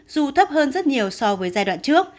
dù thấp hơn rất nhiều so với giai đoạn trước